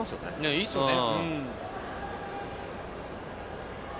いいですよね。